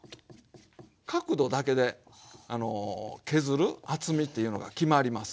角度だけであの削る厚みっていうのが決まります。